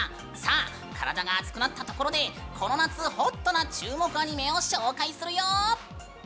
体が熱くなったところでこの夏ホットな注目アニメを紹介するよ！